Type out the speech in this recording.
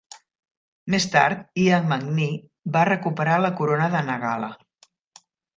Més tard, Ian McNee va recuperar la corona de Nagala.